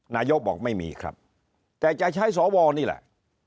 นายกบอกไม่มีครับแต่จะใช้สวนี่แหละ